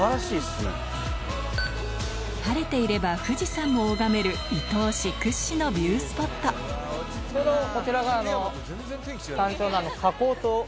晴れていれば、富士山も拝める、伊東市屈指のビュースポット。